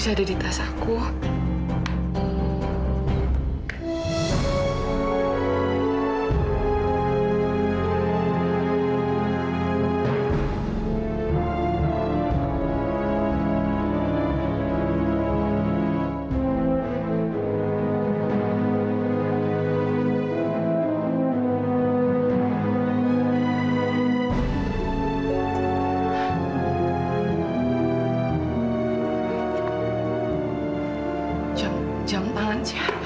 jangan jangan jangan